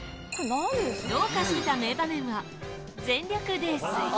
どうかしていた名場面は全力泥酔！